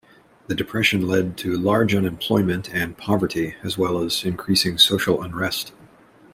The depression led to large unemployment and poverty, as well as increasing social unrest.